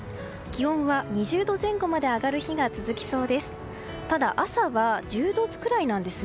気温は２０度前後まで上がる日が続きそうです。